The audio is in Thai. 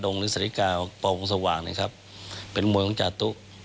น้องมวยจัตุ